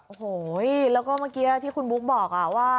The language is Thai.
โอ้โหแล้วก็เมื่อกี้ที่คุณบุ๊กบอกว่า